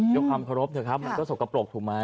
ยกความสะรบเถอะครับมันก็สกปรกถูกไหม